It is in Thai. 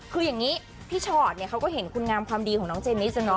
คืออย่างนี้พี่ชอตเนี่ยเขาก็เห็นคุณงามความดีของน้องเจนิส